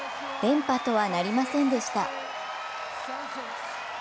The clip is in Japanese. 連覇とはなりませんでした。